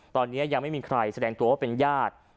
ตอนนี้ยังไม่มีใครแสดงตัวว่าเป็นญาติ